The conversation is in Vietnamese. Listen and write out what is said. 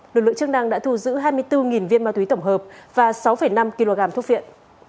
lực lượng chức năng đã thu giữ hai mươi bốn viên ma túy tổng hợp và sáu năm kg thuốc viện